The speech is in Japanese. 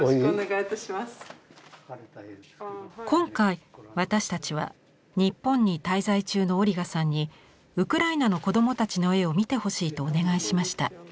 今回私たちは日本に滞在中のオリガさんにウクライナの子どもたちの絵を見てほしいとお願いしました。